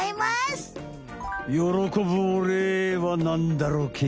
よろこぶお礼はなんだろけ？